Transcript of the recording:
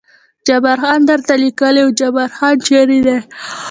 جبار خان درته لیکلي و، جبار خان چېرې دی؟